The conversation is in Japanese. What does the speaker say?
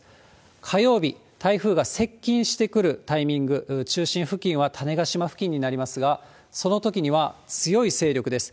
火曜日、台風が接近してくるタイミング、中心付近は種子島付近になりますが、そのときには強い勢力です。